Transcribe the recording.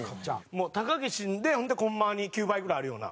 もう高岸ほんでこんなに９倍ぐらいあるような。